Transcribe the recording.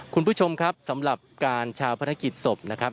คุณผู้ชมครับสำหรับการชาวพนักกิจศพนะครับ